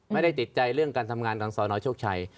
ไม่ได้ติดใจเรื่องการทำงานของสนโชคชัย